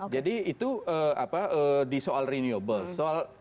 jadi itu di soal renewables